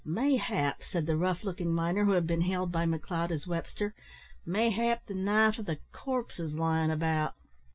"Mayhap," said the rough looking miner who had been hailed by McLeod as Webster "mayhap the knife o' the corpse is lyin' about."